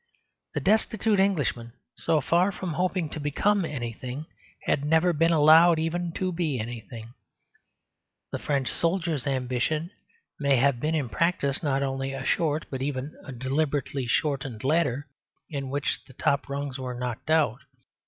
The destitute Englishman, so far from hoping to become anything, had never been allowed even to be anything. The French soldier's ambition may have been in practice not only a short, but even a deliberately shortened ladder, in which the top rungs were knocked out.